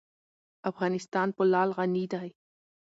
افغانستان په لعل غني دی.